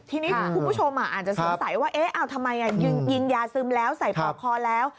ทีนี้คุณผู้ชมอาจจะสงสัยว่าเอ๊ะทำไมยิงยาซึมแล้วใส่ปอกคอแล้ว